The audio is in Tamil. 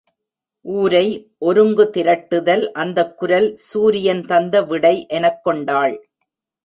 ஊரை ஒருங்குதிரட்டுதல் அந்தக் குரல் சூரியன் தந்த விடை எனக் கொண்டாள்.